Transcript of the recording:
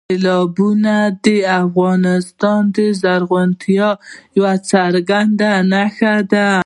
سیلابونه د افغانستان د زرغونتیا یوه څرګنده نښه ده.